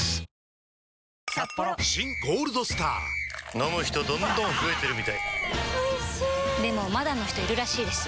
飲む人どんどん増えてるみたいおいしでもまだの人いるらしいですよ